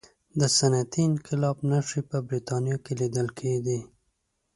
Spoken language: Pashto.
د صنعتي انقلاب نښې په برتانیا کې لیدل کېدې.